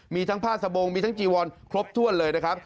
มีทั้งผ้าสะบงมีทั้งจีวอนครบถ้วนเลยนะครับ